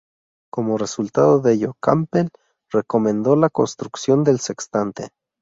Como resultado de ello, Campbell recomendó la construcción del sextante.